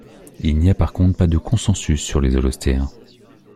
Il n'y a par contre pas de consensus sur les Holostéens.